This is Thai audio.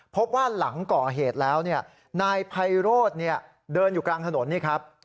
พบว่าหลังก่อเหตุแล้วนายไพโรธเดินอยู่กลางถนนนี่ครับ